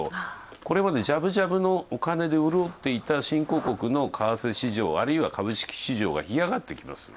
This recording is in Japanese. これまで、じゃぶじゃぶのお金で潤っていた新興国の為替市場、あるいは株式市場が嫌がってきます。